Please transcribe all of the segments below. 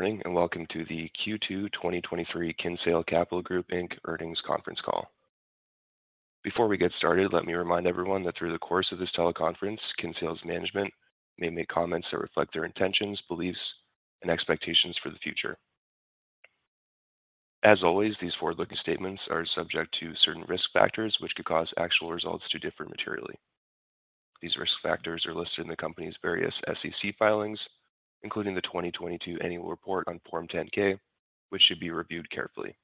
Good morning, welcome to the Q2 2023 Kinsale Capital Group Inc Earnings Conference Call. Before we get started, let me remind everyone that through the course of this teleconference, Kinsale's management may make comments that reflect their intentions, beliefs, and expectations for the future. As always, these forward-looking statements are subject to certain risk factors which could cause actual results to differ materially. These risk factors are listed in the company's various SEC filings, including the 2022 Annual Report on Form 10-K, which should be reviewed carefully.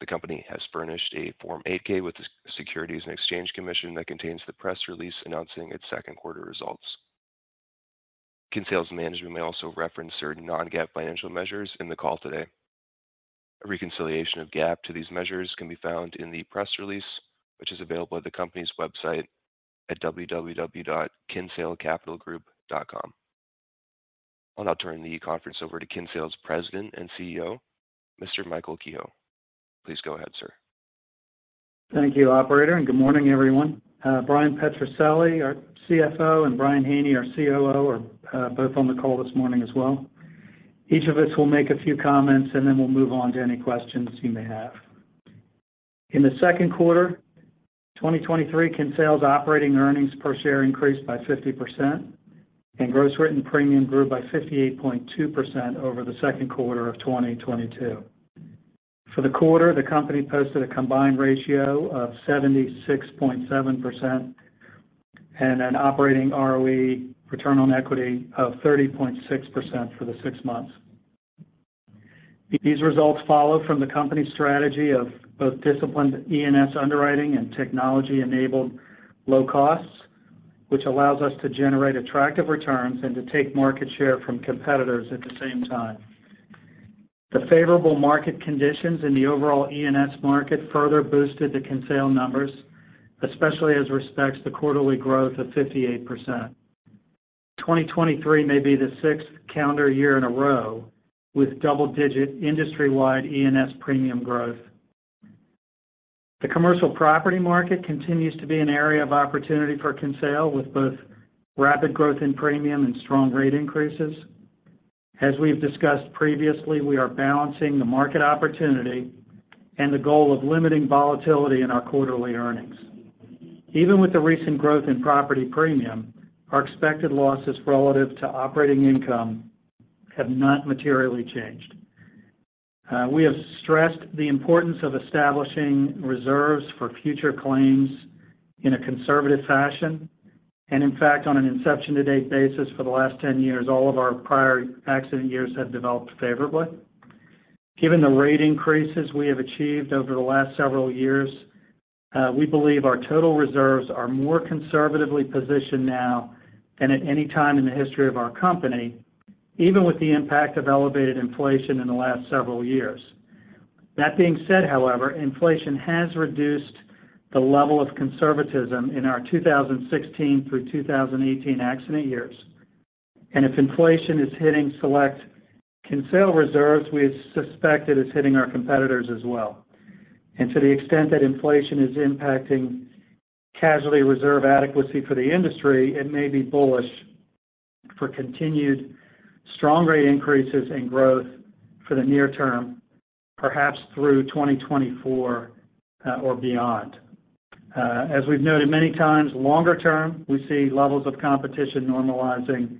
The company has furnished a Form 8-K with the Securities and Exchange Commission that contains the press release announcing its second quarter results. Kinsale's management may also reference certain non-GAAP financial measures in the call today. A reconciliation of GAAP to these measures can be found in the press release, which is available at the company's website at www.kinsalecapitalgroup.com. I'll now turn the conference over to Kinsale's President and CEO, Mr. Michael Kehoe. Please go ahead, sir. Thank you, operator, and good morning, everyone. Bryan Petrucelli, our CFO, and Brian Haney, our COO, are both on the call this morning as well. Each of us will make a few comments, and then we'll move on to any questions you may have. In the second quarter, 2023, Kinsale's operating earnings per share increased by 50%, and gross written premium grew by 58.2% over the second quarter of 2022. For the quarter, the company posted a combined ratio of 76.7% and an operating ROE, return on equity, of 30.6% for the six months. These results follow from the company's strategy of both disciplined E&S underwriting and technology-enabled low costs, which allows us to generate attractive returns and to take market share from competitors at the same time. The favorable market conditions in the overall E&S market further boosted the Kinsale numbers, especially as respects the quarterly growth of 58%. 2023 may be the sixth calendar year in a row with double-digit industry-wide E&S premium growth. The commercial property market continues to be an area of opportunity for Kinsale, with both rapid growth in premium and strong rate increases. As we've discussed previously, we are balancing the market opportunity and the goal of limiting volatility in our quarterly earnings. Even with the recent growth in property premium, our expected losses relative to operating income have not materially changed. We have stressed the importance of establishing reserves for future claims in a conservative fashion, and in fact, on an inception-to-date basis for the last 10 years, all of our prior accident years have developed favorably. Given the rate increases we have achieved over the last several years, we believe our total reserves are more conservatively positioned now than at any time in the history of our company, even with the impact of elevated inflation in the last several years. That being said, however, inflation has reduced the level of conservatism in our 2016 through 2018 accident years, and if inflation is hitting select Kinsale reserves, we suspect it is hitting our competitors as well. To the extent that inflation is impacting casualty reserve adequacy for the industry, it may be bullish for continued strong rate increases and growth for the near term, perhaps through 2024 or beyond. As we've noted many times, longer term, we see levels of competition normalizing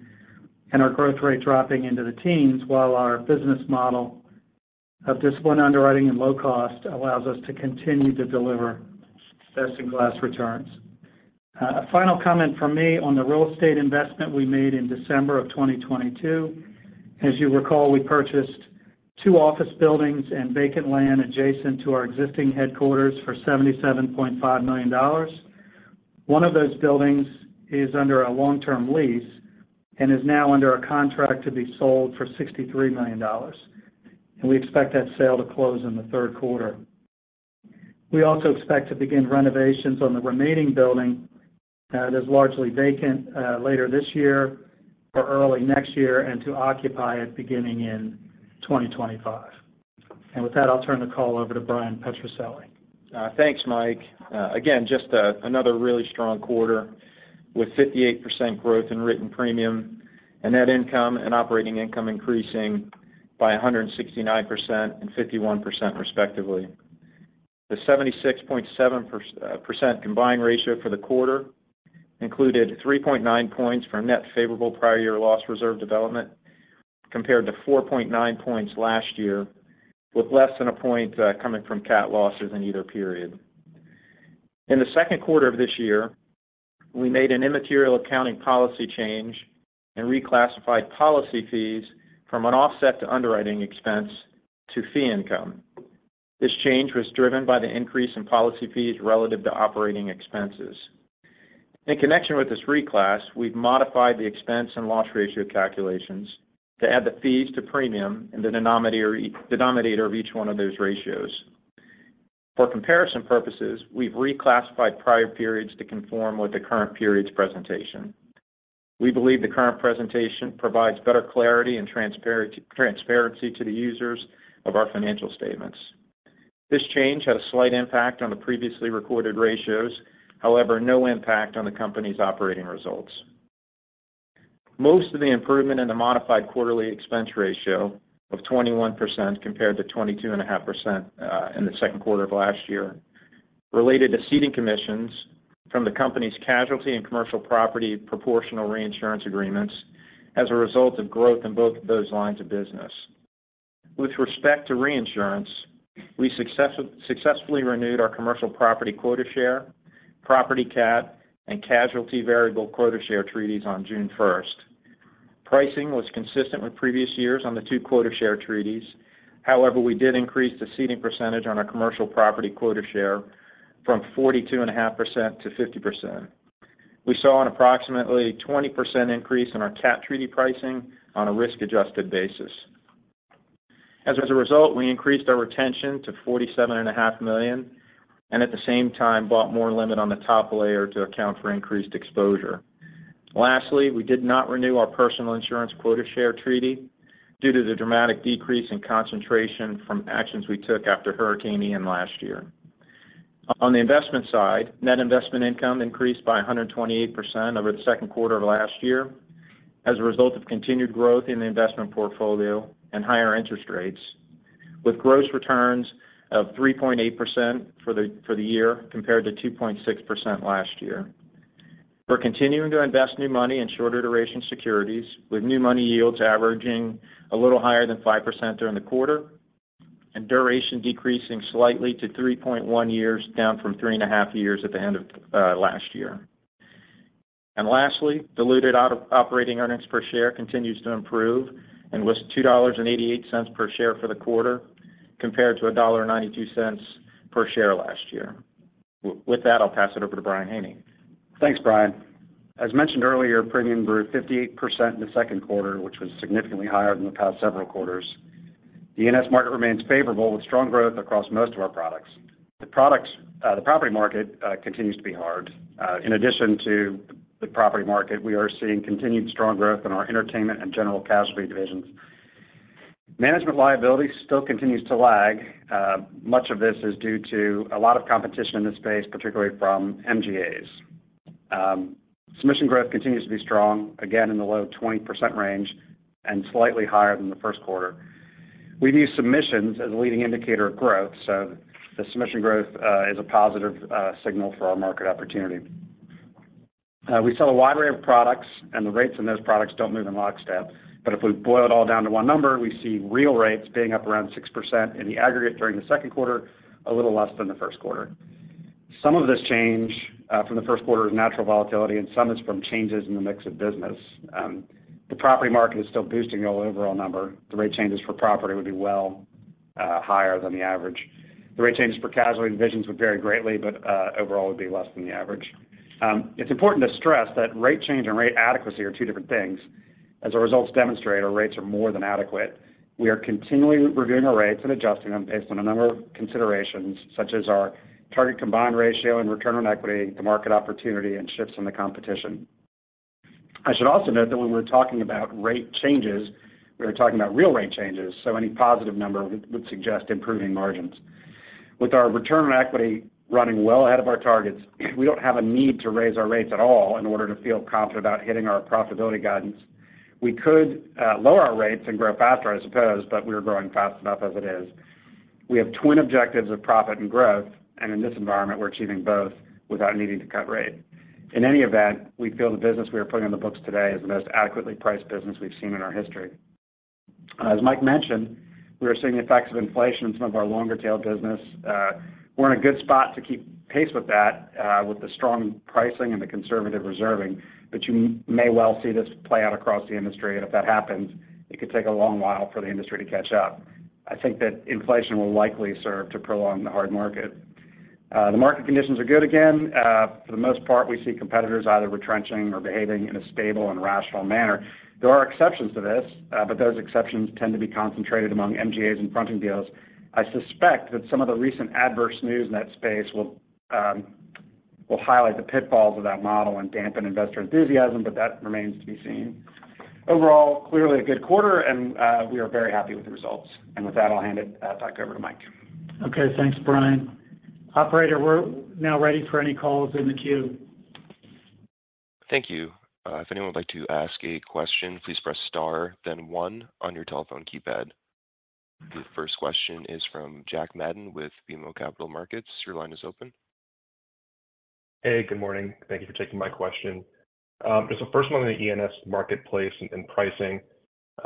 and our growth rate dropping into the teens, while our business model of disciplined underwriting and low cost allows us to continue to deliver best-in-class returns. A final comment from me on the real estate investment we made in December of 2022. As you recall, we purchased two office buildings and vacant land adjacent to our existing headquarters for $77.5 million. One of those buildings is under a long-term lease and is now under a contract to be sold for $63 million, and we expect that sale to close in the third quarter. We also expect to begin renovations on the remaining building, that's largely vacant, later this year or early next year, and to occupy it beginning in 2025. With that, I'll turn the call over to Bryan Petrucelli. Thanks, Mike. Again, another really strong quarter with 58% growth in written premium, and net income and operating income increasing by 169% and 51% respectively. The 76.7% combined ratio for the quarter included 3.9 points from net favorable prior year loss reserve development, compared to 4.9 points last year, with less than one point coming from CAT losses in either period. In the second quarter of this year, we made an immaterial accounting policy change and reclassified policy fees from an offset to underwriting expense to fee income. This change was driven by the increase in policy fees relative to operating expenses. In connection with this reclass, we've modified the expense and loss ratio calculations to add the fees to premium in the denominator of each one of those ratios. For comparison purposes, we've reclassified prior periods to conform with the current period's presentation. We believe the current presentation provides better clarity and transparency to the users of our financial statements. This change had a slight impact on the previously recorded ratios, however, no impact on the company's operating results. Most of the improvement in the modified quarterly expense ratio of 21% compared to 22.5% in the second quarter of last year, related to ceding commissions from the company's casualty and commercial property proportional reinsurance agreements as a result of growth in both of those lines of business. With respect to reinsurance, we success- successfully renewed our commercial property quota share, property CAT, and casualty variable quota share treaties on June 1st. Pricing was consistent with previous years on the two quota share treaties. However, we did increase the ceding percentage on our commercial property quota share from 42.5% to 50%. We saw an approximately 20% increase in our CAT treaty pricing on a risk-adjusted basis. As a result, we increased our retention to $47.5 million, and at the same time, bought more limit on the top layer to account for increased exposure. Lastly, we did not renew our personal insurance quota share treaty due to the dramatic decrease in concentration from actions we took after Hurricane Ian last year. On the investment side, net investment income increased by 128% over the second quarter of last year, as a result of continued growth in the investment portfolio and higher interest rates, with gross returns of 3.8% for the year, compared to 2.6% last year. We're continuing to invest new money in shorter duration securities, with new money yields averaging a little higher than 5% during the quarter, duration decreasing slightly to 3.1 years, down from 3.5 years at the end of last year. Lastly, diluted out of operating earnings per share continues to improve and was $2.88 per share for the quarter, compared to $1.92 per share last year. With that, I'll pass it over to Brian Haney. Thanks, Brian. As mentioned earlier, premium grew 58% in the second quarter, which was significantly higher than the past several quarters. The E&S market remains favorable, with strong growth across most of our products. The products, the property market continues to be hard. In addition to the property market, we are seeing continued strong growth in our Entertainment and General Casualty divisions. Management liability still continues to lag. Much of this is due to a lot of competition in this space, particularly from MGAs. Submission growth continues to be strong, again, in the low 20% range and slightly higher than the first quarter. We view submissions as a leading indicator of growth, the submission growth is a positive signal for our market opportunity. We sell a wide array of products, and the rates in those products don't move in lockstep. If we boil it all down to 1 number, we see real rates being up around 6% in the aggregate during the second quarter, a little less than the first quarter. Some of this change from the first quarter is natural volatility, and some is from changes in the mix of business. The property market is still boosting our overall number. The rate changes for property would be well, higher than the average. The rate changes for casualty divisions would vary greatly, but, overall, would be less than the average. It's important to stress that rate change and rate adequacy are 2 different things. As our results demonstrate, our rates are more than adequate. We are continually reviewing our rates and adjusting them based on a number of considerations, such as our target combined ratio and return on equity, the market opportunity, and shifts in the competition. I should also note that when we're talking about rate changes, we are talking about real rate changes, so any positive number would suggest improving margins. With our return on equity running well ahead of our targets, we don't have a need to raise our rates at all in order to feel confident about hitting our profitability guidance. We could lower our rates and grow faster, I suppose, but we are growing fast enough as it is. We have twin objectives of profit and growth, and in this environment, we're achieving both without needing to cut rate. In any event, we feel the business we are putting on the books today is the most adequately priced business we've seen in our history. As Mike mentioned, we are seeing the effects of inflation in some of our longer-tail business. We're in a good spot to keep pace with that, with the strong pricing and the conservative reserving. You may well see this play out across the industry. If that happens, it could take a long while for the industry to catch up. I think that inflation will likely serve to prolong the hard market. The market conditions are good again. For the most part, we see competitors either retrenching or behaving in a stable and rational manner. There are exceptions to this. Those exceptions tend to be concentrated among MGAs and fronting deals. I suspect that some of the recent adverse news in that space will will highlight the pitfalls of that model and dampen investor enthusiasm, but that remains to be seen. Overall, clearly a good quarter, and we are very happy with the results. With that, I'll hand it back over to Mike. Okay, thanks, Brian. Operator, we're now ready for any calls in the queue. Thank you. If anyone would like to ask a question, please press star then one on your telephone keypad. The first question is from Jack Matten with BMO Capital Markets. Your line is open. Hey, good morning. Thank you for taking my question. Just the first one on the E&S marketplace and, and pricing.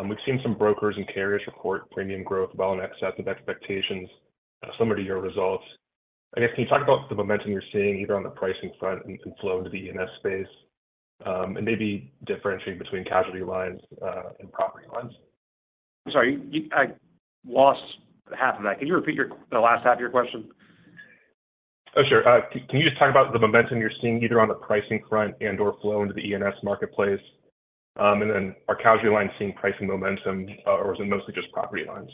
We've seen some brokers and carriers report premium growth well in excess of expectations, similar to your results. I guess, can you talk about the momentum you're seeing, either on the pricing front and, and flow into the E&S space, and maybe differentiating between casualty lines and property lines? I'm sorry, I lost half of that. Can you repeat the last half of your question? Oh, sure. Can you just talk about the momentum you're seeing, either on the pricing front and/or flow into the E&S marketplace? Are casualty lines seeing pricing momentum, or is it mostly just property lines?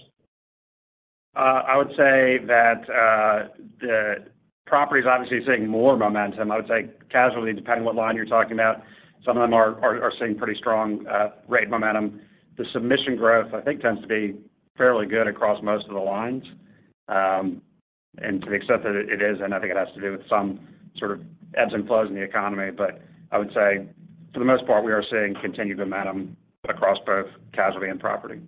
I would say that property is obviously seeing more momentum. I would say casualty, depending on what line you're talking about, some of them are, are, are seeing pretty strong rate momentum. The submission growth, I think, tends to be fairly good across most of the lines. To the extent that it is, and I think it has to do with some sort of ebbs and flows in the economy. I would say, for the most part, we are seeing continued momentum across both casualty and property.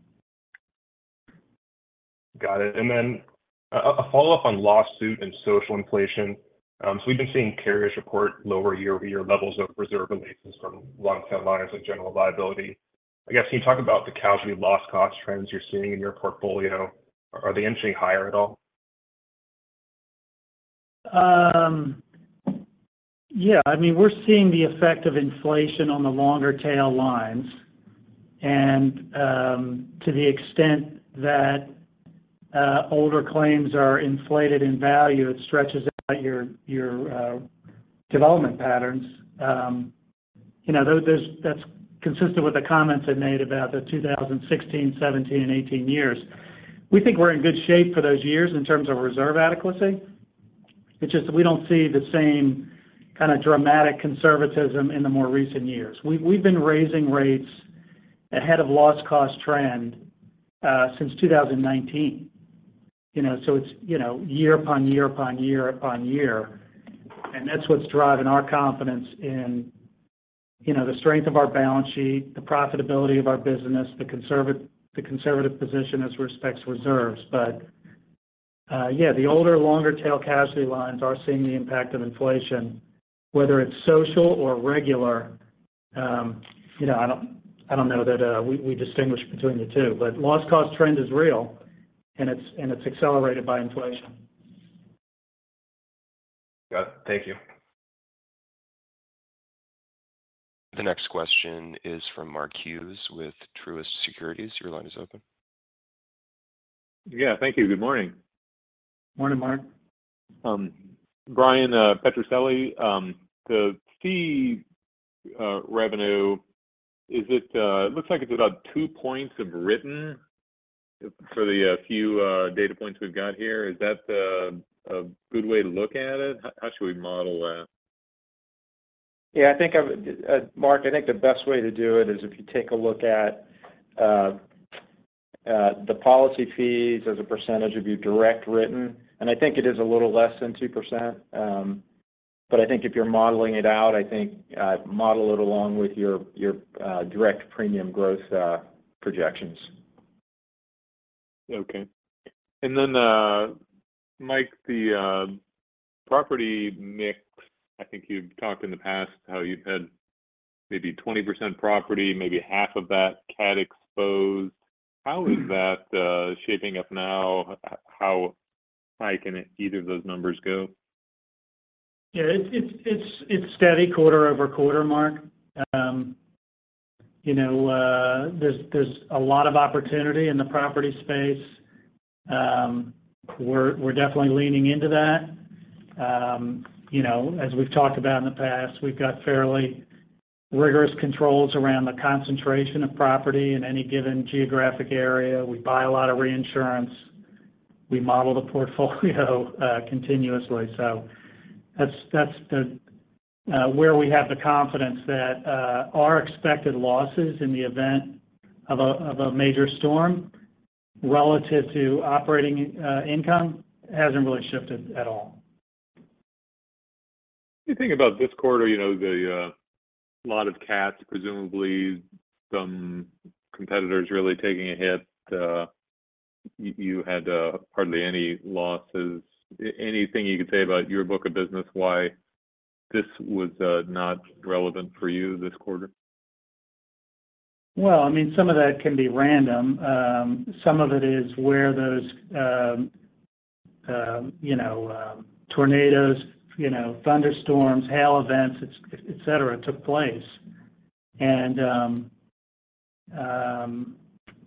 Got it. Then a follow-up on lawsuit and social inflation. We've been seeing carriers report lower year-over-year levels of reserve releases from long tail lines like general liability. I guess, can you talk about the casualty loss cost trends you're seeing in your portfolio? Are they inching higher at all? Yeah. I mean, we're seeing the effect of inflation on the longer tail lines. To the extent that, older claims are inflated in value, it stretches out your development patterns. You know, That's consistent with the comments I made about the 2016, 2017, and 2018 years. We think we're in good shape for those years in terms of reserve adequacy. It's just that we don't see the same kind of dramatic conservatism in the more recent years. We've, we've been raising rates ahead of loss cost trend, since 2019, you know? It's, you know, year upon year upon year upon year, and that's what's driving our confidence in, you know, the strength of our balance sheet, the profitability of our business, the conservative position as respects reserves. Yeah, the older, longer tail casualty lines are seeing the impact of inflation, whether it's social or regular. You know, I don't, I don't know that, we, we distinguish between the two, but loss cost trend is real, and it's, and it's accelerated by inflation. Got it. Thank you. The next question is from Mark Hughes with Truist Securities. Your line is open. Yeah, thank you. Good morning. Morning, Mark. Bryan Petrucelli, the fee revenue, it looks like it's about two points of written for the few data points we've got here. Is that a good way to look at it? How should we model that? Yeah, Mark, I think the best way to do it is if you take a look at, the policy fees as a percentage of your direct written. I think it is a little less than 2%. I think if you're modeling it out, I think, model it along with your, your, direct premium growth, projections. Okay. Then, Mike, the property mix, I think you've talked in the past how you've had maybe 20% property, maybe 50% of that CAT exposed. Mm-hmm. How is that shaping up now? How high can either of those numbers go? Yeah, it's steady quarter-over-quarter, Mark. You know, there's a lot of opportunity in the property space. We're definitely leaning into that. You know, as we've talked about in the past, we've got fairly rigorous controls around the concentration of property in any given geographic area. We buy a lot of reinsurance. We model the portfolio continuously. That's the where we have the confidence that our expected losses in the event of a major storm relative to operating income hasn't really shifted at all. You think about this quarter, you know, the, a lot of cats, presumably some competitors really taking a hit. You, you had hardly any losses. Anything you could say about your book of business, why this was not relevant for you this quarter? Well, I mean, some of that can be random. Some of it is where those, you know, tornadoes, you know, thunderstorms, hail events, et cetera, took place.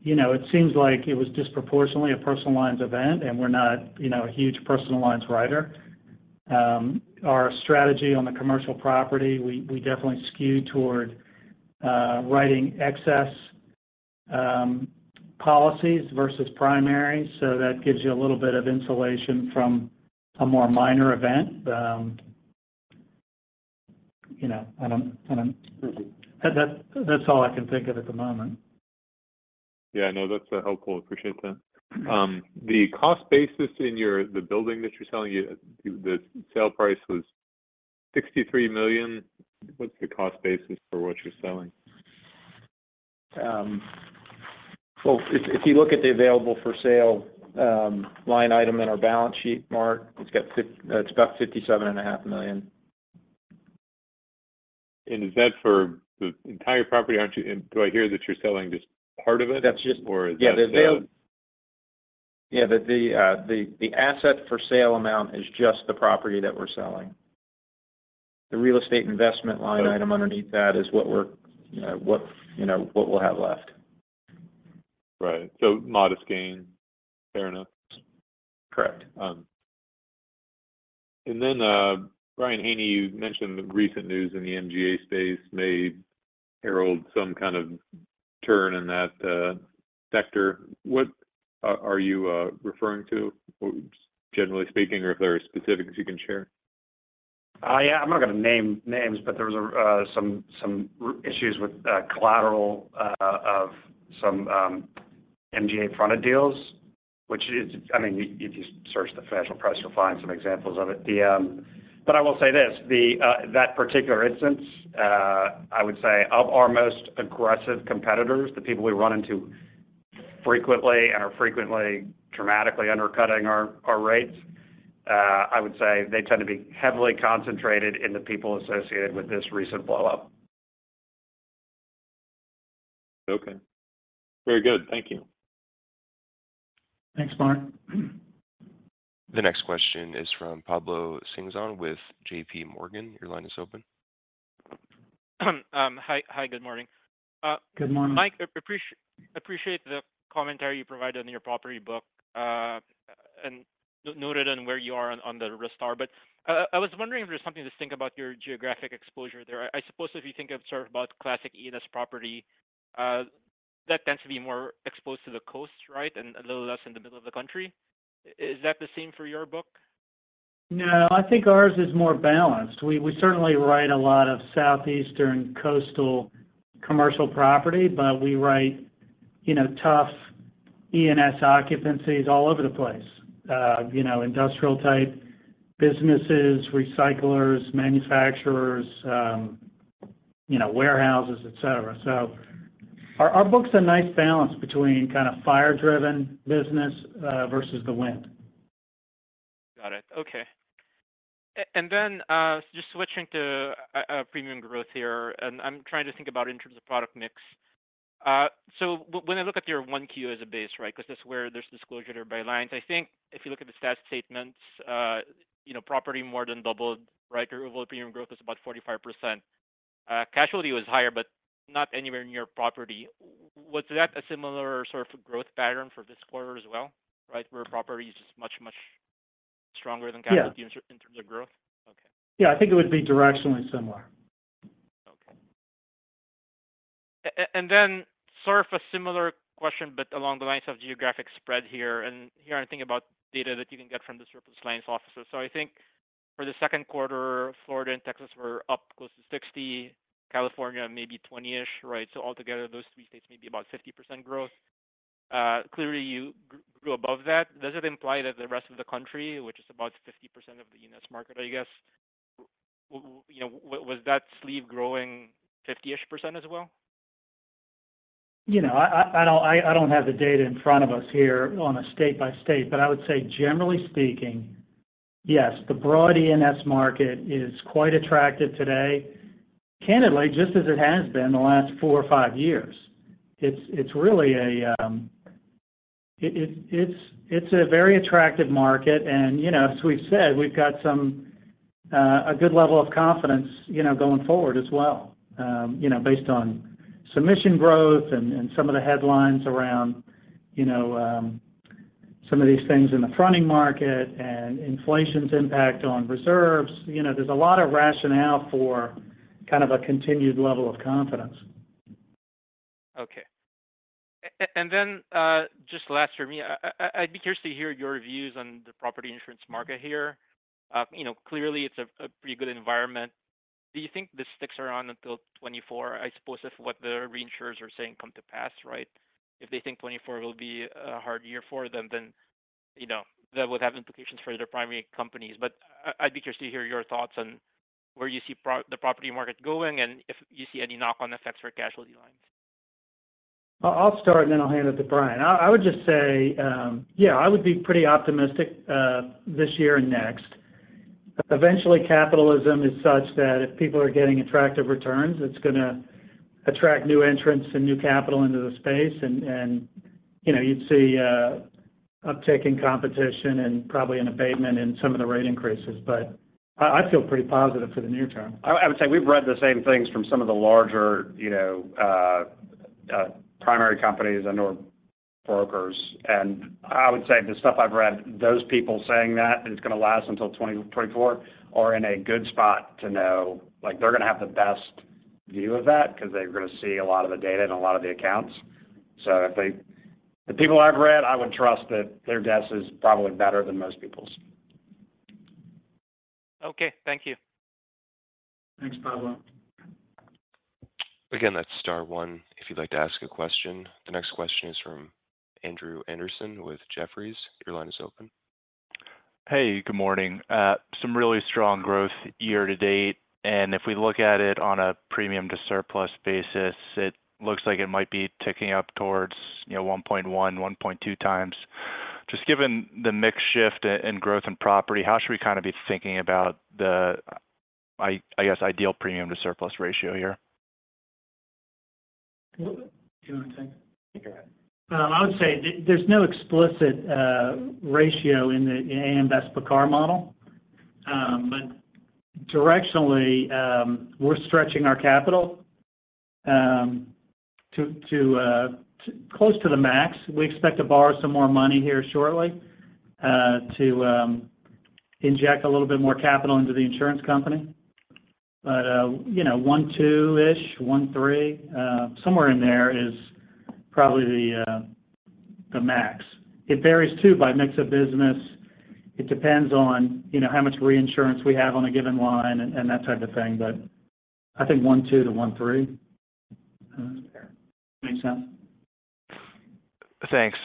It seems like it was disproportionately a personal lines event, and we're not, you know, a huge personal lines writer. Our strategy on the commercial property, we, we definitely skew toward, writing excess, policies versus primary, so that gives you a little bit of insulation from a more minor event. You know, I don't, I don't- Mm-hmm. That's, that's all I can think of at the moment. Yeah, no, that's helpful. Appreciate that. The cost basis in the building that you're selling, the sale price was $63 million. What's the cost basis for what you're selling? Well, if, if you look at the available-for-sale line item in our balance sheet, Mark, it's got it's about $57.5 million. Is that for the entire property, Do I hear that you're selling just part of it? That's. is that? Yeah, the asset for sale amount is just the property that we're selling. The real estate investment line item underneath that is what we're, what, you know, what we'll have left. Right. Modest gain. Fair enough. Correct. Brian Haney, you mentioned the recent news in the MGA space herald some kind of turn in that sector. What are you referring to, generally speaking, or if there are specifics you can share? Yeah, I'm not gonna name names, but there was a, some issues with collateral of some MGA fronted deals, which is, I mean, if you search the financial press, you'll find some examples of it. I will say this, that particular instance, I would say, of our most aggressive competitors, the people we run into frequently and are frequently dramatically undercutting our, our rates, I would say they tend to be heavily concentrated in the people associated with this recent blow-up. Okay. Very good. Thank you. Thanks, Mark. The next question is from Pablo Singzon with JPMorgan. Your line is open. Hi. Hi, good morning. Good morning. Mike, appreciate the commentary you provided on your property book and noted on where you are on the restart. I was wondering if there's something to think about your geographic exposure there. I suppose if you think of sort about classic E&S property, that tends to be more exposed to the coast, right? A little less in the middle of the country. Is that the same for your book? No, I think ours is more balanced. We, we certainly write a lot of southeastern coastal commercial property, but we write, you know, tough E&S occupancies all over the place. You know, industrial type businesses, recyclers, manufacturers, you know, warehouses, et cetera. Our, our book's a nice balance between kind of fire-driven business, versus the wind. Got it. Okay. Then, just switching to premium growth here, and I'm trying to think about in terms of product mix. When I look at your 1Q as a base, right? Because that's where there's disclosure by lines. I think if you look at the stat statements, you know, property more than doubled, right? Your overall premium growth is about 45%. Casualty was higher, but not anywhere near property. Was that a similar sort of growth pattern for this quarter as well, right? Where property is just much, much stronger than- Yeah... casualty in terms of growth? Okay. Yeah, I think it would be directionally similar. Okay. Sort of a similar question, but along the lines of geographic spread here, and here, I'm thinking about data that you can get from the surplus lines officer. I think for the second quarter, Florida and Texas were up close to 60, California, maybe 20-ish, right? Altogether, those three states may be about 50% growth. Clearly, you grew above that. Does it imply that the rest of the country, which is about 50% of the E&S market, I guess, you know, was that sleeve growing 50-ish% as well? You know, I don't have the data in front of us here on a state by state, but I would say, generally speaking, yes, the broad E&S market is quite attractive today. Candidly, just as it has been the last four or five years. It's really a very attractive market and, you know, as we've said, we've got some a good level of confidence, you know, going forward as well. You know, based on submission growth and some of the headlines around, you know, some of these things in the fronting market and inflation's impact on reserves. You know, there's a lot of rationale for kind of a continued level of confidence. Okay. And then, just last for me, I, I, I'd be curious to hear your views on the property insurance market here. You know, clearly, it's a, a pretty good environment. Do you think this sticks around until 2024? I suppose if what the reinsurers are saying come to pass, right? If they think 2024 will be a hard year for them, then, you know, that would have implications for the primary companies. I, I'd be curious to hear your thoughts on where you see the property market going, and if you see any knock-on effects for casualty lines. I'll start, and then I'll hand it to Brian. I, I would just say, yeah, I would be pretty optimistic, this year and next. Eventually, capitalism is such that if people are getting attractive returns, it's gonna attract new entrants and new capital into the space and, and, you know, you'd see, uptick in competition and probably an abatement in some of the rate increases. I, I feel pretty positive for the near term. I, I would say we've read the same things from some of the larger, you know, primary companies and/or brokers. I would say the stuff I've read, those people saying that it's gonna last until 2024 are in a good spot to know. Like, they're gonna have the best view of that because they're gonna see a lot of the data and a lot of the accounts. The people I've read, I would trust that their guess is probably better than most people's. Okay. Thank you. Thanks, Pablo. That's star 1, if you'd like to ask a question. The next question is from Andrew Andersen with Jefferies. Your line is open. Hey, good morning. Some really strong growth year to date. If we look at it on a premium to surplus basis, it looks like it might be ticking up towards, you know, 1.1x - 1.2x. Just given the mix shift in growth and property, how should we kind of be thinking about the, I guess, ideal premium to surplus ratio here? Do you want to take it? You go ahead. I would say there's no explicit ratio in the A.M. Best's BCAR model. Directionally, we're stretching our capital to close to the max. We expect to borrow some more money here shortly to inject a little bit more capital into the insurance company. You know, 1.2-ish, 1.3, somewhere in there is probably the max. It varies too, by mix of business. It depends on, you know, how much reinsurance we have on a given line and that type of thing. I think 1.2 to 1.3. Make sense? Thanks.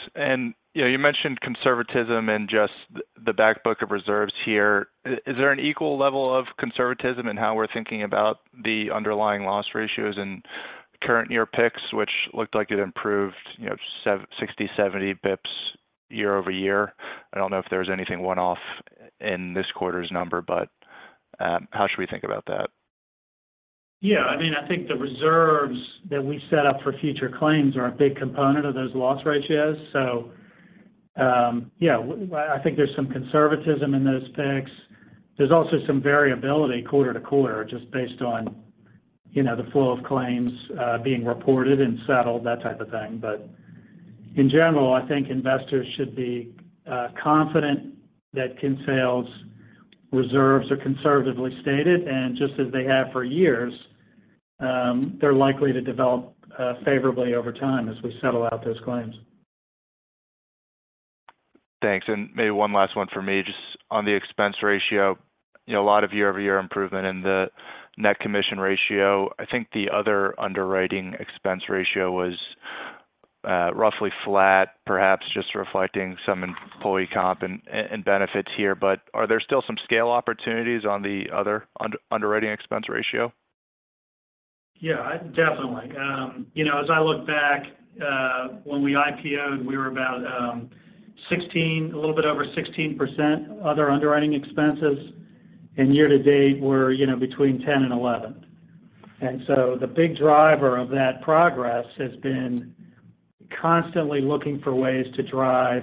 You know, you mentioned conservatism and just the, the back book of reserves here. Is there an equal level of conservatism in how we're thinking about the underlying loss ratios and current year picks, which looked like it improved, you know, 60, 70 basis points year-over-year? I don't know if there's anything one-off in this quarter's number, but, how should we think about that? Yeah, I mean, I think the reserves that we set up for future claims are a big component of those loss ratios. Yeah, I think there's some conservatism in those picks. There's also some variability quarter to quarter, just based on, you know, the flow of claims, being reported and settled, that type of thing. In general, I think investors should be confident that Kinsale's reserves are conservatively stated, and just as they have for years, they're likely to develop favorably over time as we settle out those claims. Thanks. Maybe 1 last one for me, just on the expense ratio. You know, a lot of year-over-year improvement in the net commission ratio. I think the other underwriting expense ratio was roughly flat, perhaps just reflecting some employee comp and benefits here. Are there still some scale opportunities on the other underwriting expense ratio? Yeah, I-- definitely. You know, as I look back, when we IPO'd, we were about 16%, a little bit over 16% other underwriting expenses, and year to date, we're, you know, between 10% and 11%. The big driver of that progress has been constantly looking for ways to drive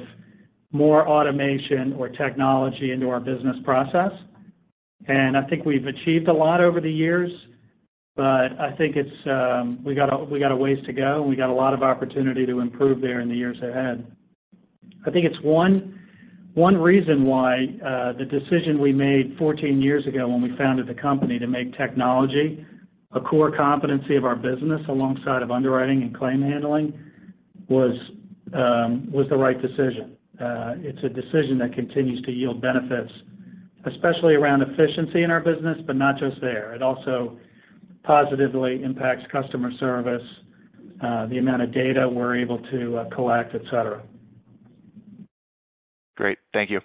more automation or technology into our business process. I think we've achieved a lot over the years, but I think it's, we got a, we got a ways to go, and we got a lot of opportunity to improve there in the years ahead. I think it's one, one reason why, the decision we made 14 years ago when we founded the company to make technology a core competency of our business, alongside of underwriting and claim handling, was, was the right decision. It's a decision that continues to yield benefits, especially around efficiency in our business, but not just there. It also positively impacts customer service, the amount of data we're able to, collect, et cetera. Great. Thank you.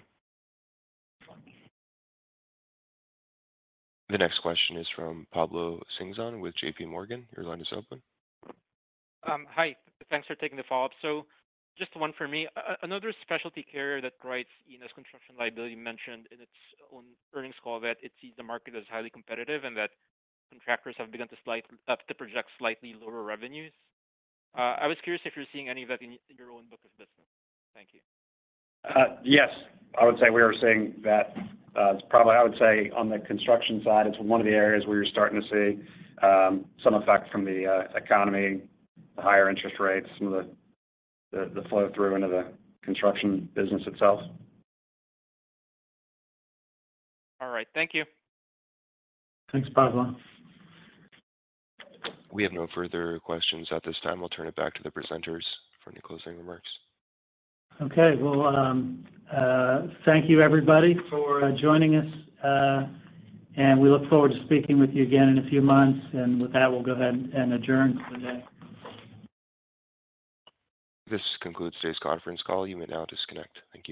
The next question is from Pablo Singzon with JPMorgan. Your line is open. Hi. Thanks for taking the follow-up. Just one for me. Another specialty carrier that writes, you know, construction liability mentioned in its own earnings call that it sees the market as highly competitive and that contractors have begun to slight to project slightly lower revenues. I was curious if you're seeing any of that in in your own book of business. Thank you. Yes. I would say we are seeing that. It's probably, I would say, on the construction side, it's one of the areas where you're starting to see some effect from the economy, the higher interest rates, some of the, the, the flow through into the construction business itself. All right. Thank you. Thanks, Pablo. We have no further questions at this time. We'll turn it back to the presenters for any closing remarks. Okay. Well, thank you, everybody, for joining us, and we look forward to speaking with you again in a few months. With that, we'll go ahead and adjourn for the day. This concludes today's conference call. You may now disconnect. Thank you.